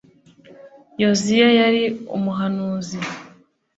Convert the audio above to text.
Yoziya yari umuhanuzi